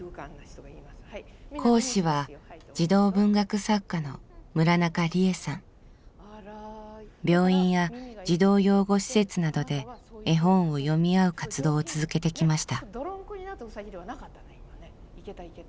講師は児童文学作家の病院や児童養護施設などで絵本を読み合う活動を続けてきました。